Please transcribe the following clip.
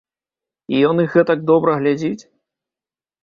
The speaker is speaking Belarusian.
І ён іх гэтак добра глядзіць?